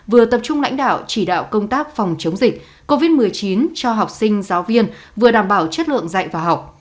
vừa tập trung lãnh đạo chỉ đạo công tác phòng chống dịch covid một mươi chín cho học sinh giáo viên vừa đảm bảo chất lượng dạy và học